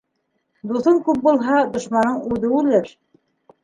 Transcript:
Дуҫың күп булһа, дошманың үҙе үлер.